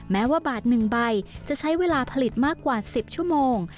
แม้ว่าบาท๑ใบจะใช้เวลาผลิตมากกว่า๑๐ชั่วโมง